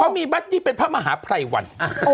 มีบัตตี้เป็นพระมหาภัยวัน